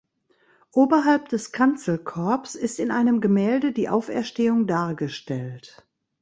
Oberhalb des Kanzelkorbs ist in einem Gemälde die Auferstehung dargestellt.